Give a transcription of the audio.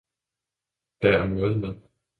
Der er måde med!